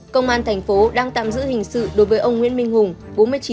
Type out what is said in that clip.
công an thành phố đang tạm giữ hình sự đối với ông nguyễn minh hùng bốn mươi chín tuổi